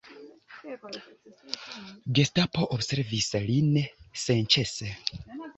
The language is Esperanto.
Gestapo observis lin senĉese.